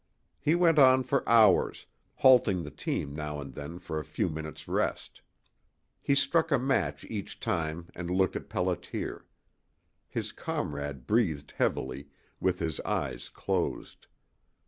He went on for hours, halting the team now and then for a few minutes' rest. He struck a match each time and looked at Pelliter. His comrade breathed heavily, with his eyes closed.